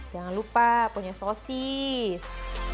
jangan lupa punya sosis